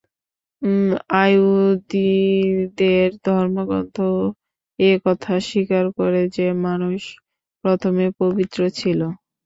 য়াহুদীদের ধর্মগ্রন্থ এ-কথা স্বীকার করে যে, মানুষ প্রথমে পবিত্র ছিল।